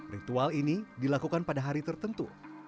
ritual ini dilakukan pada hari tertentu